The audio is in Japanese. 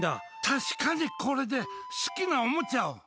確かにこれで好きなおもちゃを。